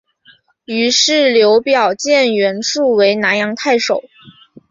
于是刘表荐袁术为南阳太守。